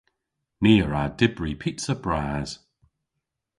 Ni a wra dybri pizza bras.